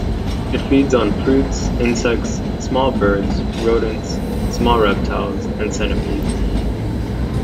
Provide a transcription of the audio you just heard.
It feeds on fruits, insects, small birds, rodents, small reptiles and centipedes.